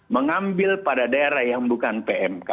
mengambil pada daerah yang bukan pmk